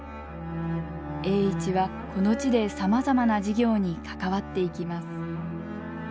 栄一はこの地でさまざまな事業に関わっていきます。